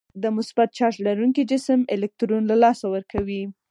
د مثبت چارج لرونکی جسم الکترون له لاسه ورکوي.